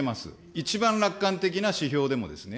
一番楽観的な指標でもですね。